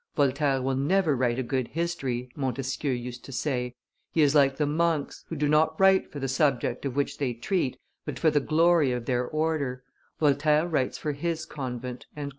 "Voltaire will never write a good history," Montesquieu used to say: "he is like the monks, who do not write for the subject of which they treat, but for the glory of their order: Voltaire writes for his convent."